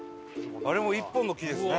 あれも一本の木ですね。